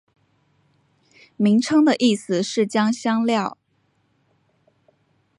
名称的意思是将香料。